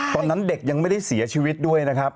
ตอนนั้นเด็กยังไม่ได้เสียชีวิตด้วยนะครับ